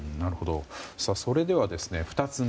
それでは２つ目。